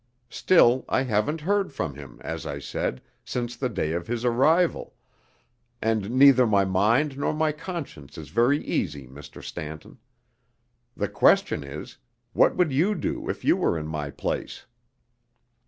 Still, I haven't heard from him, as I said, since the day of his arrival, and neither my mind nor my conscience is very easy, Mr. Stanton. The question is, What would you do if you were in my place?"